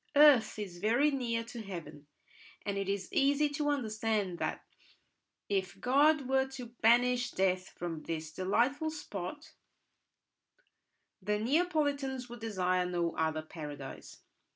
Earth is very near to heaven, and it is easy to understand that, if God were to banish death from this delightful spot, the Neapolitans would desire no other paradise.